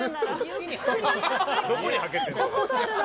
どこに、はけてるんだよ。